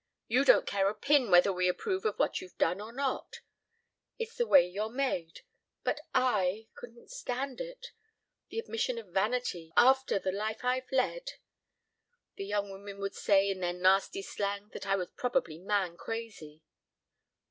You don't care a pin whether we approve of what you've done or not. It's the way you're made. But I couldn't stand it. The admission of vanity, of of after the life I've led. The young women would say, in their nasty slang, that I was probably man crazy."